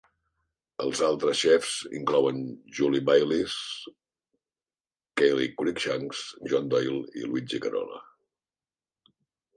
Els altres xefs inclouen Julie Baylis, Kelly Cruickshanks, John Doyle i Luigi Carola.